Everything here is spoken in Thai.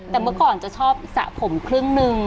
แต่เมื่อก่อนจะชอบสระผมครึ่งหนึ่ง